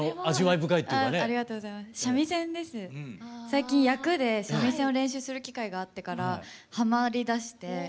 最近役で三味線を練習する機会があってからハマりだして。